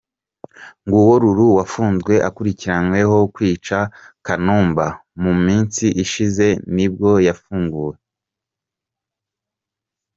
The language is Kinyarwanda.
Nguwo Lulu wafunzwe akurikiranweho kwica Kanumba, mu minsi ishize nibwo yafunguwe.